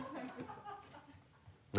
何？